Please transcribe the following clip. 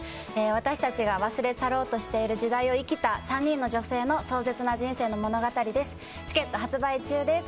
私たちが忘れ去ろうとしている時代を生きた３人の女性の壮絶な人生の物語です